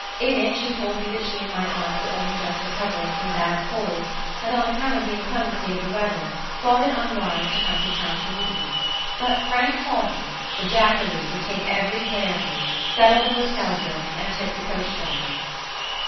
In it she told me that she and my aunt were only just recovering from bad colds, and on account of the inclemency of the weather thought it unwise to come to town to meet me; but Frank Hawden, the jackeroo would take every care of me, settle the hotel bill, and tip the coach driver.